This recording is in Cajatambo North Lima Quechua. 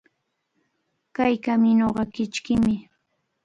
Kay kamiñuqa kichkimi.